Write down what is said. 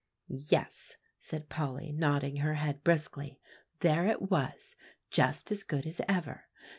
"Yes," said Polly, nodding her head briskly; "there it was, just as good as ever.